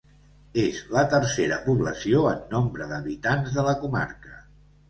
És la tercera població en nombre d'habitants de la comarca.